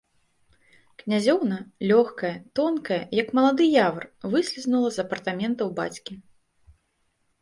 Князёўна, лёгкая, тонкая, як малады явар, выслізнула з апартаментаў бацькі.